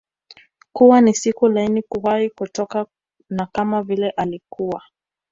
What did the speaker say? kuwa ni siku laini kuwahi kutokea na kama vile alikuwa